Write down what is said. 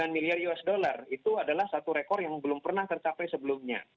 sembilan miliar usd itu adalah satu rekor yang belum pernah tercapai sebelumnya